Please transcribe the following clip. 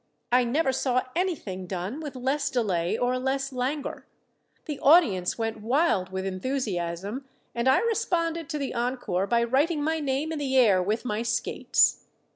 I never saw anything done with less delay or less languor. The audience went wild with enthusiasm, and I responded to the encore by writing my name in the air with my skates.